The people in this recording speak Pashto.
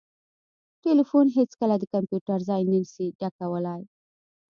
ټلیفون هیڅکله د کمپیوټر ځای نسي ډکولای